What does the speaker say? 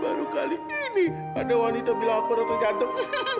baru kali ini ada wanita bilang aku rasa ganteng